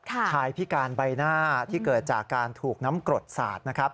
ชายพิการใบหน้าที่เกิดจากการถูกน้ำกรดสาดนะครับ